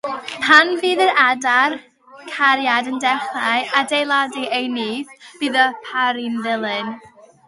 Pan fydd yr adar cariad yn dechrau adeiladu eu nyth, bydd y paru'n dilyn.